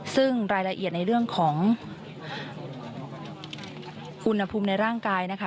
ซึ่งรายละเอียดในเรื่องของอุณหภูมิในร่างกายนะคะ